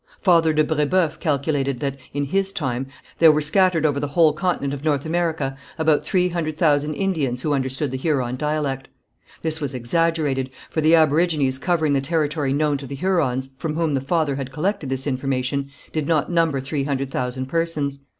Father de Brébeuf calculated that, in his time, there were scattered over the whole continent of North America about three hundred thousand Indians who understood the Huron dialect. This was exaggerated, for the aborigines covering the territory known to the Hurons from whom the father had collected this information did not number three hundred thousand persons.